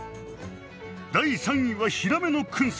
第３位はヒラメの燻製。